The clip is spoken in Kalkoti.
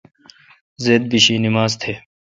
زید بیشی نما ز تہ۔